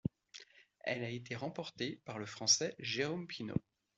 Elle a été remportée par le Français Jérôme Pineau.